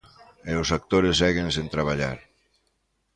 E os actores seguen sen traballar.